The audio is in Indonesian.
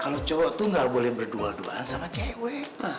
kalau cowok tuh gak boleh berdua duaan sama cewek ma